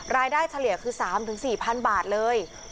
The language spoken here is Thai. รายได้เฉลี่ยคือสามถึงสี่พันบาทเลย